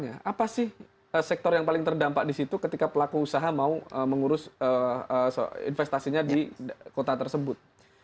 apa sih sektor yang paling terdampak di situ ketika pelaku usaha mau mengurus investasinya di kota tersebut